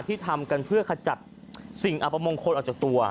ทำกันเพื่อขจัดสิ่งอัปมงคลออกจากตัว